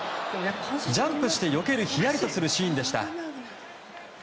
ジャンプしてよけるひやりとするシーンでした。